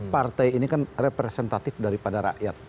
partai ini kan representatif daripada rakyat